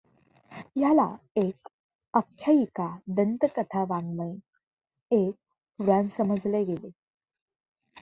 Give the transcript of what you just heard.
ह्याला एक आख्यायिका, दंतकथा वाङमय, एक पुराण समजले गेले.